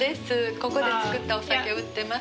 ここで造ったお酒売ってます。